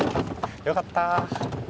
よかった。